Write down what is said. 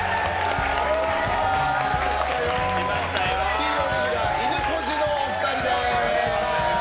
金曜レギュラーいぬこじのお二人です！